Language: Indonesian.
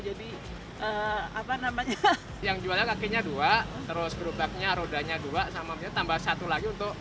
jadi apa namanya yang jualnya kakinya dua terus berubahnya rodanya dua sama tambah satu lagi untuk